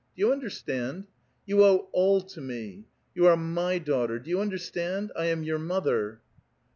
Do you understand? You owe ALL to me. You are my daughter. Do you under stand ? I am your mother